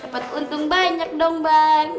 dapat untung banyak dong bang